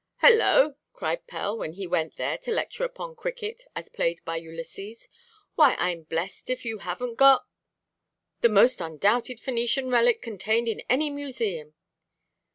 "Hollo!" cried Pell, when he went there to lecture upon cricket as played by Ulysses, "why, Iʼm blessed if you havenʼt got——" "The most undoubted Phœnician relic contained in any museum!"